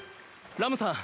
ラムさん。